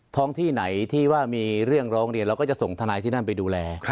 ที่ไหนที่ว่ามีเรื่องร้องเรียนเราก็จะส่งทนายที่นั่นไปดูแล